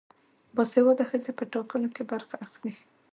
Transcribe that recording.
باسواده ښځې په ټاکنو کې برخه اخلي.